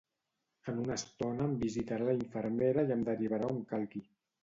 En una estona em visitarà la infermera i em derivarà on calgui